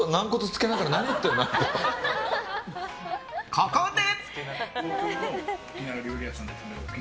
ここで。